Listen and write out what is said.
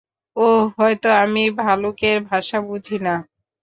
ওহ, হয়তো আমি ভালুকের ভাষা বুঝি না।